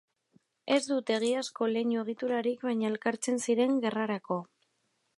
Ez dute egiazko leinu-egiturarik, baina elkartzen ziren gerrarako.